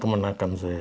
teman akan saya